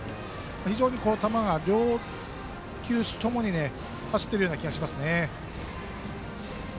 非常に球が両球種ともに走っている気がしますね。